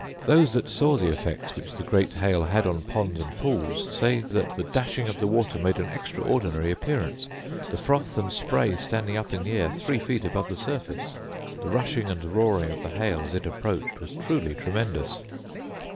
Those that saw the effect which the great hail had on ponds and pools say that the dashing of the water made an extraordinary appearance, the froth and spray standing up in the air three feet above the surface. The rushing and roaring of the hail, as it approached, was truly tremendous.